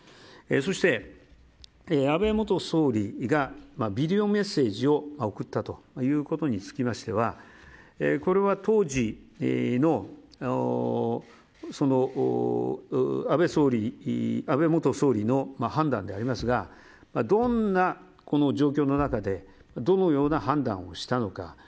そして安倍元総理がビデオメッセージを送ったということにつきましてはこれは当時の安倍元総理の判断でありますがどんな状況の中でどのような判断をしたのか。